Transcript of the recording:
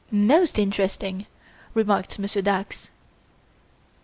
"Most interesting!" remarked Monsieur Dax.